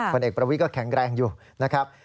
ผลเอกประวิทย์ก็แข็งแรงอยู่นะครับ